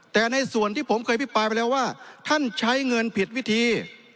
แต่ในส่วนที่ผมเคยพิปรายไปแล้วว่าท่านใช้เงินผิดวิธี